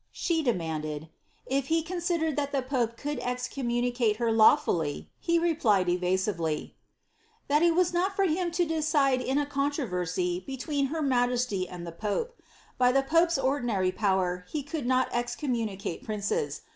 She demanded, ^ If he con« lat the pope could excommunicate her lawfully." He replied^ ,^ that it was not for him to decide in a controTersy between ity and the pope. By the pope's ordinary power, he could not inicate princes.